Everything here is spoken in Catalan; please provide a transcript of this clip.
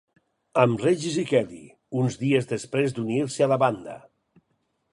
Amb Regis i Kelly, uns dies després d'unir-se a la banda.